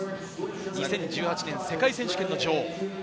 ２０１８年、世界選手権女王です。